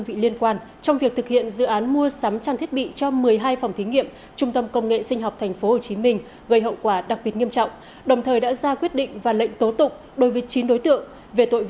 với đấu thầu gây hậu quả nghiêm trọng cụ thể